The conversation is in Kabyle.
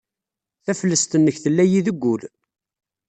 Taflest-nnek tella-iyi deg wul.